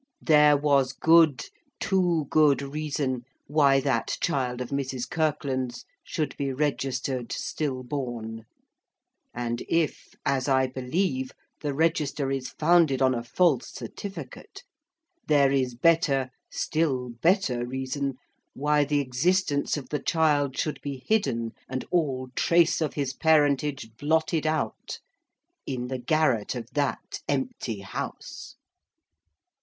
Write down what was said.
There was good—too good reason—why that child of Mrs. Kirkland's should be registered stillborn. And if, as I believe, the register is founded on a false certificate, there is better, still better reason, why the existence of the child should be hidden, and all trace of his parentage blotted out, in the garret of that empty house."